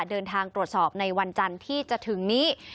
เดินทางตรวจสอบในวันจันทร์ที่จะถึงนี้